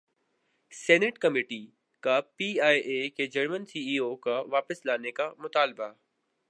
senate committee کا P I A کے German C E O کو واپس لانے کا مطالبہ